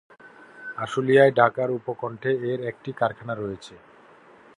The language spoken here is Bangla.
আশুলিয়ায় ঢাকার উপকণ্ঠে এর একটি কারখানা রয়েছে।